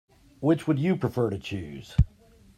Which would you prefer to choose?